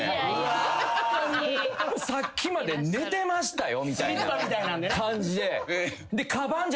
さっきまで寝てましたよみたいな感じで。